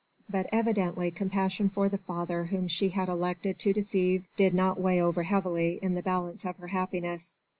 But evidently compassion for the father whom she had elected to deceive did not weigh over heavily in the balance of her happiness.